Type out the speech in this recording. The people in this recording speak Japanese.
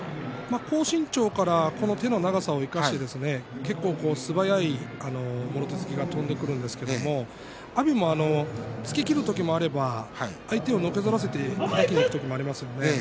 高身長から手の長さを生かして結構、素早いもろ手突きが飛んでくるんですけれど阿炎も突ききる時もあれば相手をのけぞらせてはたきにいく時もありますよね。